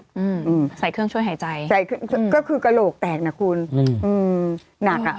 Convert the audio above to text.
อืมใส่เครื่องช่วยหายใจใส่เครื่องก็คือกระโหลกแตกนะคุณอืมอืมหนักอ่ะ